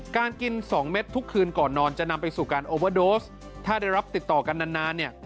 การกิน๒เม็ดทุกคืนก่อนนอนจะนำไปสู่การโอเวอร์โดสถ้าได้รับติดต่อกันนานเนี่ย